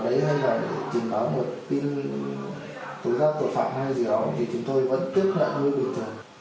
kể cả trong giờ nghỉ của chúng tôi nhưng mà người dân đến để yêu cầu làm một thủ tục nào đấy hay là để trình báo một tin tối giao tội phạm hay gì đó thì chúng tôi vẫn tiếp nhận như bình thường